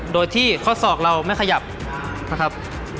โดยที่ข้อศอกเราไม่ขยับนะครับ